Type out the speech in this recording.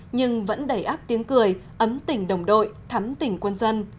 nhưng vẫn đẩy áp tiếng cười ấm tỉnh đồng đội thắm tỉnh quân dân